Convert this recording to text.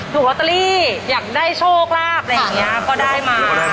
ถูกลอตเตอรี่อยากได้โชคลาภอะไรอย่างนี้ก็ได้มา